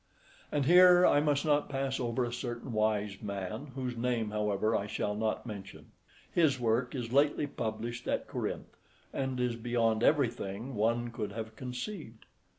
And here I must not pass over a certain wise man, whose name, however, I shall not mention; his work is lately published at Corinth, and is beyond everything one could have conceived.